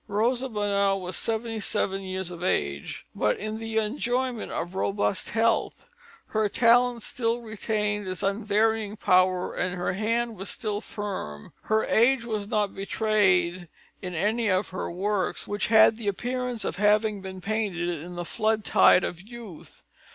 Rosa Bonheur was seventy seven years of age, but in the enjoyment of robust health; her talent still retained its unvarying power and her hand was still firm. Her age was not betrayed in any of her works, which had the appearance of having been painted in the flood tide of youth.